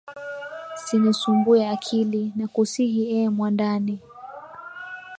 Sinisumbuwe akili, nakusihi e mwandani,